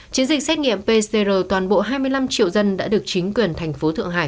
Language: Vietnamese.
chiến dịch xét nghiệm pcr toàn bộ hai mươi năm triệu dân đã được chính quyền thành phố thượng hải